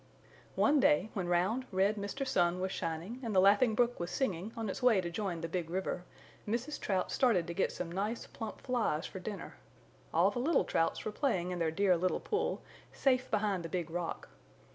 One day when round, red Mr. Sun was shining and the Laughing Brook was singing on its way to join the Big River, Mrs. Trout started to get some nice plump flies for dinner. All the little Trouts were playing in their dear little pool, safe behind the Big Rock.